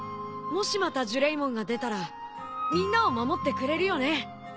もしまたジュレイモンが出たらみんなを守ってくれるよね？